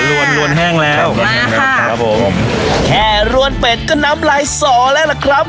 รวนรวนแห้งแล้วมาฮะครับผมแค่รวนเป็ดก็นำลายส่อแล้วล่ะครับ